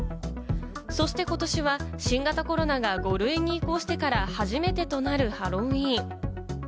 そしてことしは新型コロナが５類に移行してから、初めてとなるハロウィーン。